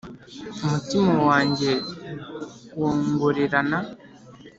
umutima wanjye wongorerana,